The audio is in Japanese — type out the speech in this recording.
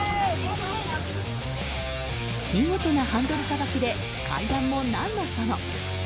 見事なハンドルさばきで階段もなんのその。